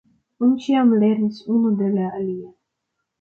Oni ĉiam lernis unu de la alia.